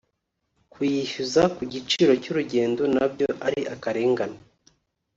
kuyishyuza ku giciro cy’urugendo nabyo ari akarengane